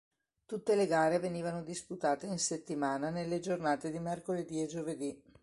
Tutte le gare venivano disputate in settimana nelle giornate di mercoledì e giovedì.